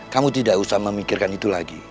kamu tidak usah memikirkan itu lagi